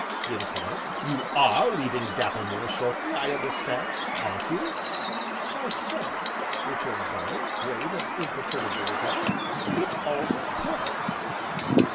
he enquired. "You are leaving Dapplemere, shortly, I understand, aren't you?" "Why sir," returned Bellew, grave, and imperturbable as ever, "it all depends."